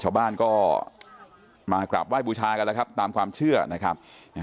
ชาวบ้านก็มากราบไหว้บูชากันแล้วครับตามความเชื่อนะครับ